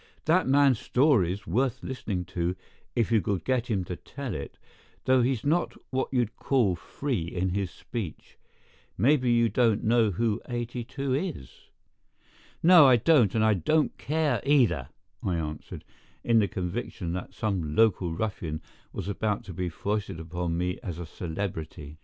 "That man's story's worth listening to if you could get him to tell it, though he's not what you'd call free in his speech. Maybe you don't know who 82 is?" "No, I don't, and I don't care either," I answered, in the conviction that some local ruffian was about to be foisted upon me as a celebrity.